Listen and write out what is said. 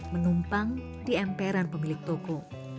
menumpang di emperan pemilik toko